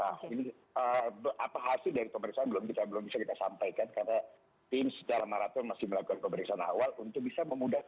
nah ini apa hasil dari pemeriksaan belum bisa kita sampaikan karena tim secara maraton masih melakukan pemeriksaan awal untuk bisa memudahkan